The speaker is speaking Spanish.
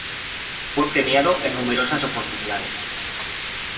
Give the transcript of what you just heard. Fue premiado en numerosas oportunidades.